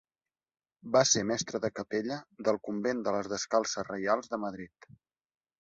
Va ser mestre de capella del convent de les Descalces Reials de Madrid.